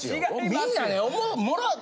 みんなね。